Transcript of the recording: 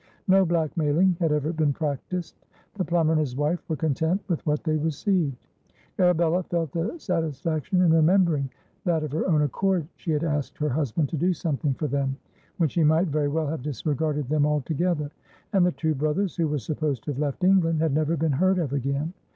No blackmailing had ever been practised; the plumber and his wife were content with what they received, (Arabella felt a satisfaction in remembering that of her own accord she had asked her husband to do something for them, when she might very well have disregarded them altogether,) and the two brothers, who were supposed to have left England, had never been heard of again.